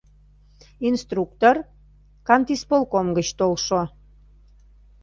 Инструктор, кантисполком гыч толшо.